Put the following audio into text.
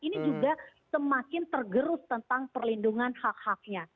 ini juga semakin tergerus tentang perlindungan hak haknya